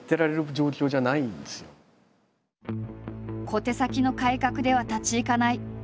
「小手先の改革では立ち行かない」。